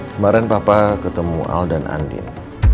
kemarin papa ketemu al dan andin